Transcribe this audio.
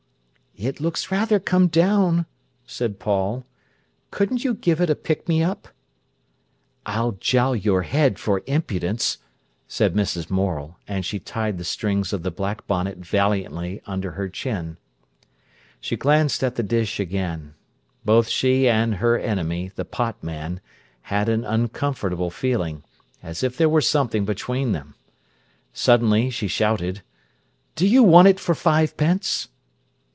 "It looks rather come down," said Paul. "Couldn't you give it a pick me up?" "I'll jowl your head for impudence," said Mrs. Morel, and she tied the strings of the black bonnet valiantly under her chin. She glanced at the dish again. Both she and her enemy, the pot man, had an uncomfortable feeling, as if there were something between them. Suddenly he shouted: "Do you want it for fivepence?"